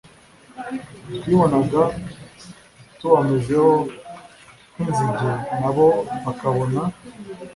twibonaga tubamezeho nk inzige na bo bakabona